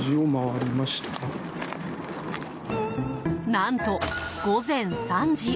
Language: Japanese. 何と、午前３時。